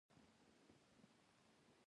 دا کار د اطمینان حس ورسره نغښتی دی.